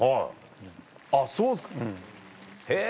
あっそうですかへぇ。